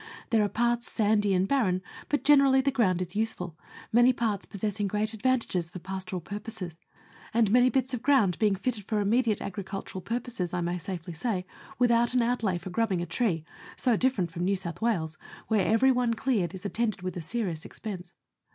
There are parts sandy and barren, but generally the ground is useful, many parts possessing great advan tages for pastoral purposes, and many bits of ground being fitted for immediate agricultural purposes, I may safely say, without an outlay for grubbing a tree so different from New South Wales, where every one cleared is attended with a serious expense.